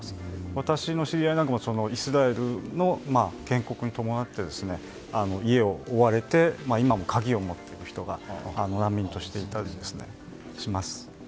私の知り合いもイスラエルの建国に伴って家を追われて今も鍵を持っている人が難民としていたりとかします。